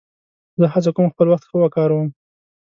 زه هڅه کوم خپل وخت ښه وکاروم.